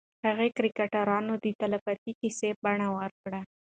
هغې کرکټرونه د تلپاتې کیسې بڼه ورکړه.